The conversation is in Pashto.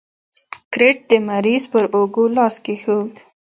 کرت د مریض پر اوږو لاس کېښود.